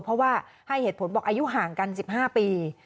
เพราะว่าให้เหตุผลบอกอายุห่างกัน๑๕ปี